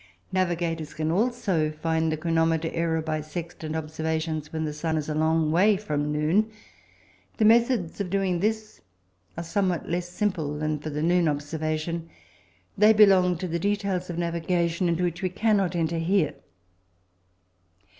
Navigators can also find the chronometer error by sextant observations when the sun is a long way from noon. The methods of doing this are somewhat less simple than for the noon observation; they belong to the details of navigation, into which we cannot enter here.